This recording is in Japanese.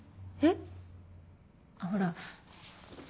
えっ？ほら。